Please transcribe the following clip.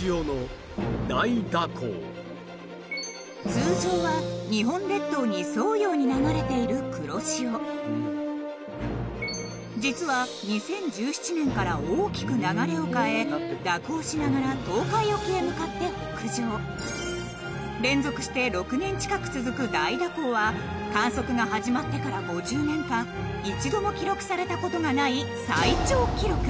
通常は日本列島に沿うように流れている黒潮実は２０１７年から大きく流れを変え蛇行しながら東海沖へ向かって北上連続して６年近く続く大蛇行は観測が始まってから５０年間一度も記録されたことがない「最長記録‼」